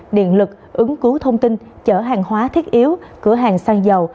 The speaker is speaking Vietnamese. điện lực ứng cứu thông tin chở hàng hóa thiết yếu cửa hàng xăng dầu